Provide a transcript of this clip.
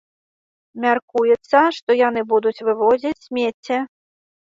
Мяркуецца, што яны будуць вывозіць смецце.